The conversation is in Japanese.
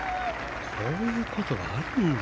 こういうことあるんだ。